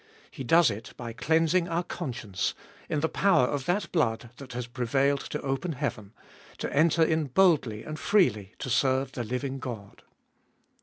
He does it by cleansing our conscience, in the power of that blood that has prevailed to open heaven, to enter in boldly and freely to serve the living God.